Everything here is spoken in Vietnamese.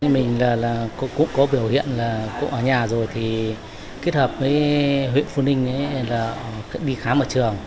mình là cô cúc có biểu hiện là cô ở nhà rồi thì kết hợp với huyện phú ninh là đi khám ở trường